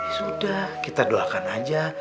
sudah kita doakan aja